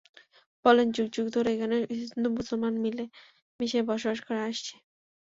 বললেন যুগ যুগ ধরে এখানে হিন্দু মুসলমান মিলে মিশে বসবাস করে আসছি।